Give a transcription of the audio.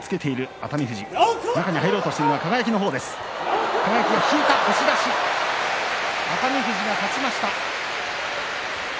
熱海富士が勝ちました。